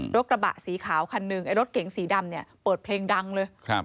รถกระบะสีขาวคันหนึ่งไอ้รถเก๋งสีดำเนี่ยเปิดเพลงดังเลยครับ